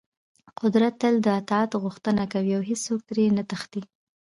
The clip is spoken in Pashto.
قدرت تل د اطاعت غوښتنه کوي او هېڅوک ترې نه تښتي.